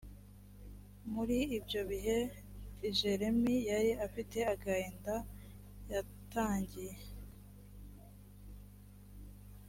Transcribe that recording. muri ibyo bihe jeremy yari afite agahinda yatangiye